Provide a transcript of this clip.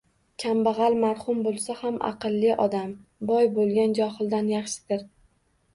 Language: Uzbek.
Kambag’al, mahrum bo’lsa ham aqlli odam boy bo’lgan johildan yaxshidir.